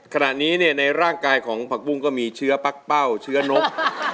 ขณะนี้ในร่างกายของผักบุ้งก็มีเชื้อปั๊กเป้าเชื้อนก